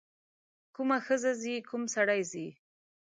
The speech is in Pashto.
کومه ښځه ځي کوم سړی ځي.